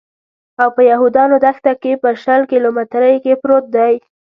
دا په یهودانو دښته کې په شل کیلومترۍ کې پروت دی.